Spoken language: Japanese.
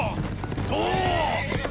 どう！